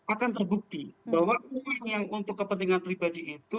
akan terbukti bahwa uang yang untuk kepentingan pribadi itu